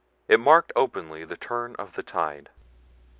It marked openly the turn of the tide."